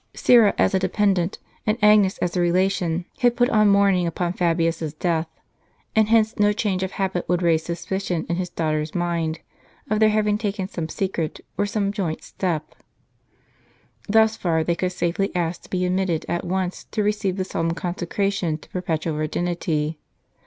Syra as a dependant, and Agnes as a relation, had put on mourning upon Fabius's death ; and hence no change of habit would raise suspicion in his daughter's mind, of their having taken some secret, or some joint step. Thus far they could safely ask to be admitted at once to receive the solemn conse cration to perpetual virginity.